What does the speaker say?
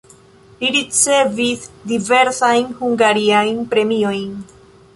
Li ricevis diversajn hungarajn premiojn.